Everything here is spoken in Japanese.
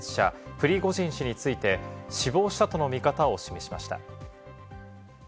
プリゴジン氏について、死亡者との見方を示しました。